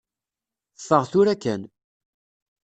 Ffeɣ tura kan.